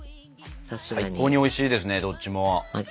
最高においしいですねどっちも。